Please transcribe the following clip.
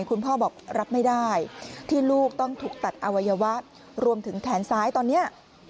คุณพ่อบอกรับไม่ได้ที่ลูกต้องถูกตัดอวัยวะรวมถึงแขนซ้ายตอนนี้